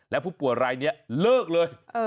แล้วผู้ป่วยรายนี้เลิกเลย